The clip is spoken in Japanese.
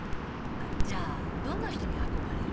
じゃあどんな人に憧れる？